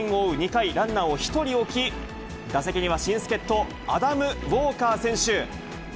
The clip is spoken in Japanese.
２回、ランナーを１人置き、打席には新助っ人、アダム・ウォーカー選手。